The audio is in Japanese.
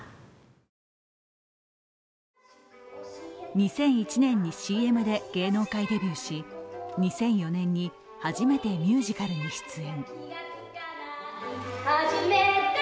２００１年にＣＭで芸能界デビューし、２００４年に初めてミュージカルに出演。